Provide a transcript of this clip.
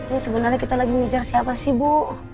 ini sebenarnya kita lagi mengejar siapa sih bu